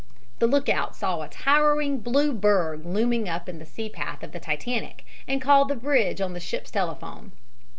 The lookout saw a towering "blue berg" looming up in the sea path of the Titanic, and called the bridge on the ship's telephone.